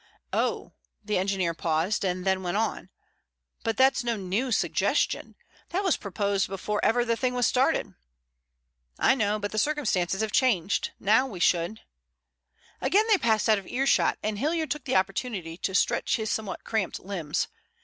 "Oh." The engineer paused, then went on: "But that's no new suggestion. That was proposed before ever the thing was started." "I know, but the circumstances have changed. Now we should—" Again they passed out of earshot, and Hilliard took the opportunity to stretch his somewhat cramped limbs.